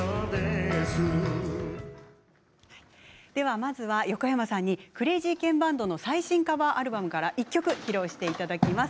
まずは横山さんにクレイジーケンバンドの最新カバーアルバムから１曲披露していただきます。